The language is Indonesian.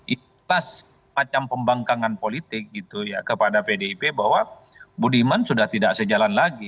itu macam pembangkangan politik gitu ya kepada pdip bahwa budiman sudah tidak sejalan lagi